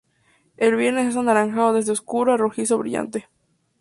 El vientre es anaranjado desde oscuro a rojizo brillante.